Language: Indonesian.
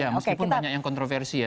ya meskipun banyak yang kontroversi ya